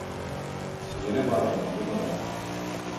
Ере барҙың еме бар